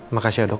makasih ya dok